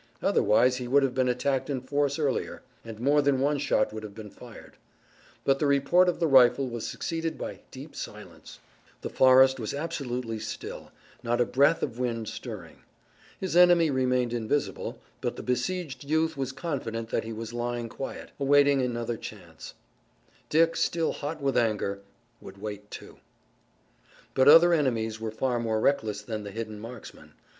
Otherwise he would have been attacked in force earlier, and more than one shot would have been fired. But the report of the rifle was succeeded by deep silence. The forest was absolutely still, not a breath of wind stirring. His enemy remained invisible, but the besieged youth was confident that he was lying quiet, awaiting another chance. Dick, still hot with anger, would wait too. But other enemies were far more reckless than the hidden marksman.